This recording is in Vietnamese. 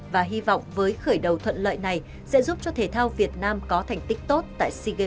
và hy vọng với khởi đầu thuận lợi này sẽ giúp cho thể thao việt nam có thành tích tốt tại sea games